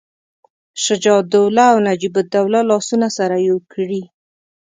شجاع الدوله او نجیب الدوله لاسونه سره یو کړي.